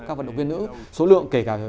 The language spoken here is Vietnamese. các vận động viên nữ số lượng kể cả